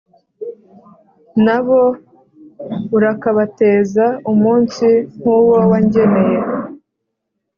Na bo urakabateza umunsi nk’uwo wangeneye,